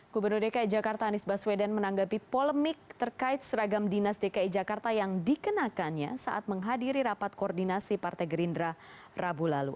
gubernur dki jakarta anies baswedan menanggapi polemik terkait seragam dinas dki jakarta yang dikenakannya saat menghadiri rapat koordinasi partai gerindra rabu lalu